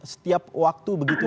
setiap waktu begitu